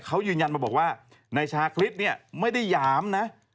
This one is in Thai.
เขายืนยันมาบอกว่านายชาคริสเนี่ยไม่ได้หยามนะ